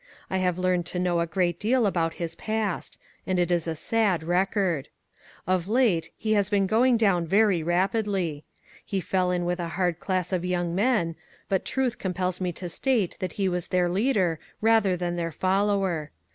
I have learned to know a great deal about his past; and it is a sad record. Of late, he has been going down very rapidly. He fell in with a hard class of young men ; but truth compels me to state that he was their leader, rather than their follower.